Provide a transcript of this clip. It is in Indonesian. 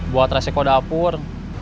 buat reseko dapur